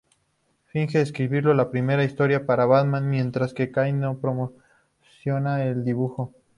Finger escribió la primera historia para Batman mientras que Kane proporcionaba el dibujo.